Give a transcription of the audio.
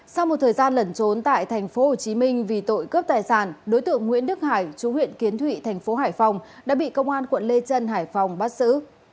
sau một thời gian lẩn trốn tại tp hcm vì tội cướp tài sản đối tượng nguyễn đức hải chú huyện kiến thụy thành phố hải phòng đã bị công an quận lê trân hải phòng bắt xử